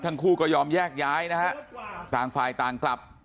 ทั้งคู่ก็ยอมแยกย้ายนะฮะต่างฝ่ายต่างกลับ